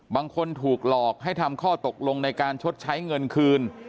บางคนถูกหลอกให้ทำข้อตกลงในการชดใช้เงินคืน